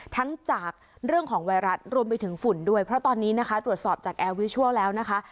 ทั้งจากเรื่องของไวรัสรวมไปถึงฝุ่นด้วยเพราะตอนนี้นะคะตรวจสอบจากแอร์วิชัลแล้วนะคะ